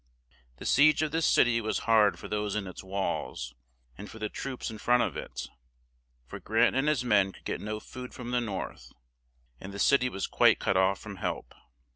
The siege of this cit y was hard for those in its walls, and for the troops in front of it; for Grant and his men could get no food from the North, and the cit y was quite cut off from help.